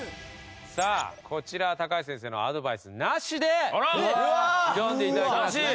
さあこちらは高橋先生のアドバイスなしで挑んで頂きますので。